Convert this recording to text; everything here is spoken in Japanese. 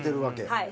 はい。